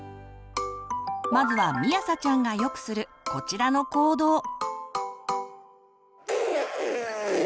まずはみあさちゃんがよくするこちらの行動。